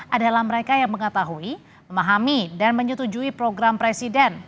adalah mereka yang mengetahui memahami dan menyetujui program presiden